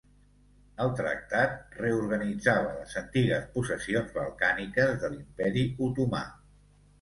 El tractat reorganitzava les antigues possessions balcàniques de l'Imperi Otomà.